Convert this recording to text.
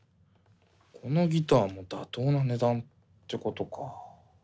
このギターも妥当な値段ってことかあ。